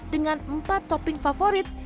dengan empat topping favorit